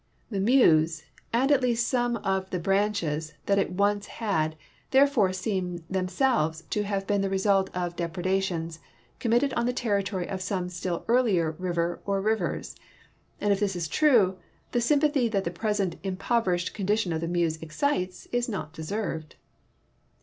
The Meuse and at least some of the branches that it once had there fore seem themselves to have been the result of dejjredations committed on the territory of some still earlier river or rivers, and if this is true, the sympathy that the present impoverished condition of the Meuse excites is not deserved.